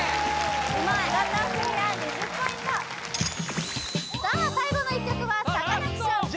見事クリア２０ポイントさあ最後の１曲はサカナクション